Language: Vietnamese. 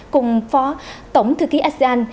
cùng phó tổng thư ký asean